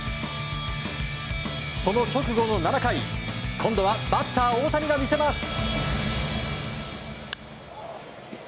その直後の７回今度はバッター大谷が見せます。